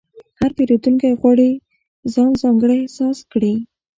هر پیرودونکی غواړي ځان ځانګړی احساس کړي.